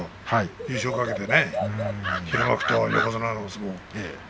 優勝を懸けて平幕と横綱の相撲。